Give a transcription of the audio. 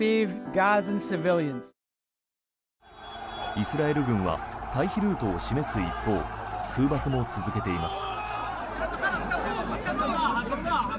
イスラエル軍は退避ルートを示す一方空爆も続けています。